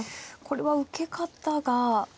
これは受け方が。